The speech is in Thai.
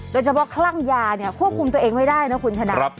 โดยเฉพาะคลั่งยาเนี่ยควบคุมตัวเองไม่ได้นะคุณชนะ